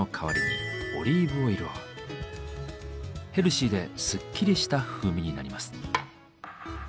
ヘルシーでスッキリした風味になります。